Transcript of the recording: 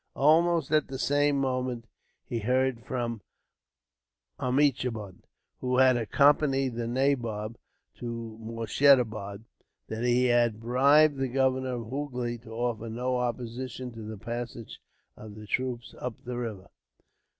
Almost at the same moment he heard, from Omichund, who had accompanied the nabob to Moorshedabad, that he had bribed the governor of Hoogly to offer no opposition to the passage of the troops up the river.